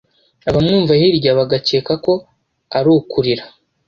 abamwumva hirya bagakeka ko ari ukurira.